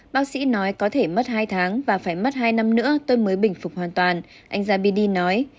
bác sĩ nói có thể mất hai tháng và phải mất hai năm nữa tôi mới bình phục hoàn toàn anh ra bini nói